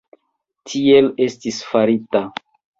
Tiel estis farita.